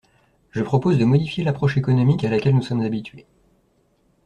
Je propose de modifier l’approche économique à laquelle nous sommes habitués.